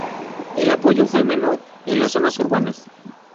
El apoyo fue menor en las zonas urbanas.